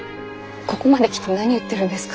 ここまで来て何言ってるんですか。